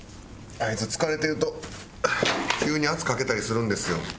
あいつ疲れてると急に圧かけたりするんですよ。